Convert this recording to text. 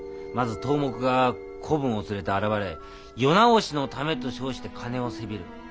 まず頭目が子分を連れて現れ世直しのためと称して金をせびる。